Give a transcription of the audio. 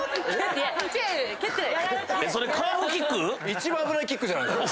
一番危ないキックじゃないっすか。